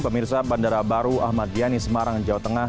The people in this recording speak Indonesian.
pemirsa bandara baru ahmad yani semarang jawa tengah